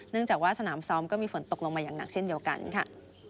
จากว่าสนามซ้อมก็มีฝนตกลงมาอย่างหนักเช่นเดียวกันค่ะ